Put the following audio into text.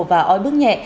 và ói bước nhẹ